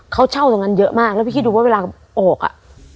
เขาเช่าตรงนั้นเยอะมากแล้วพี่คิดดูว่าเวลาออกอ่ะ